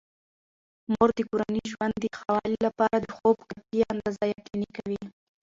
مور د کورني ژوند د ښه والي لپاره د خوب کافي اندازه یقیني کوي.